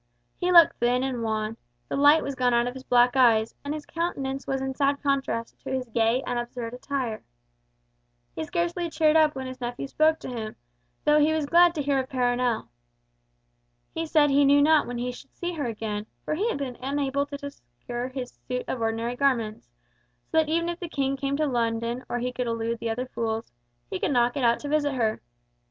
He looked thin and wan, the light was gone out of his black eyes, and his countenance was in sad contrast to his gay and absurd attire. He scarcely cheered up when his nephew spoke to him, though he was glad to hear of Perronel. He said he knew not when he should see her again, for he had been unable to secure his suit of ordinary garments, so that even if the King came to London, or if he could elude the other fools, he could not get out to visit her.